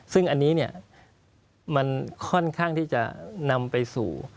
ซึ่งอันนี้เนี่ยมันค่อนข้างที่จะนำไปสู่